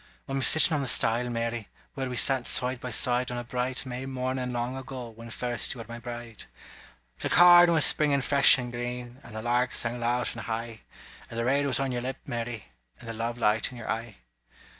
I'm sittin' on the stile, Mary, Where we sat side by side On a bright May mornin' long ago, When first you were my bride; The corn was springin' fresh and green. And the lark sang loud and high And the red was on your lip, Mary, And the love light in your eye.